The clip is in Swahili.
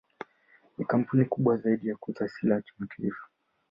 Ni kampuni kubwa zaidi ya kuuza silaha kimataifa.